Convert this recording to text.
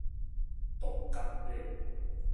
獨角馬